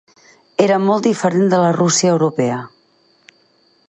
Era molt diferent de la Rússia europea.